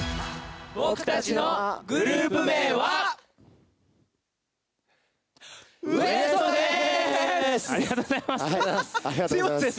僕たちのグループ名はＷＥＳＴ．です！